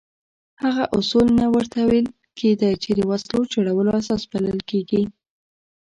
هغه اصول نه ورته ویل کېده چې د وسلو جوړولو اساس بلل کېږي.